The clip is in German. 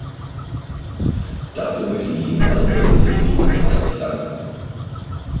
Dafür möchte ich Ihnen allen bei dieser Gelegenheit herzlich danken.